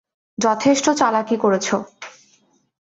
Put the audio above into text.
যথেষ্ট চালাকি করেছ।